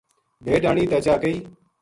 بھیڈ آنی تے چاہ کئی۔